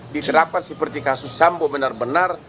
diterapkan seperti kasus sambo benar benar